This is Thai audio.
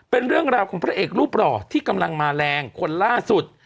เป็นเรื่องราวของพระเอกรูปหล่อที่กำลังมาแรงคนล่าสุด